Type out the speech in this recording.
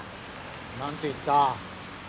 何て言った？